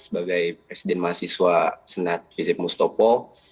sebagai presiden mahasiswa senat visib mustopo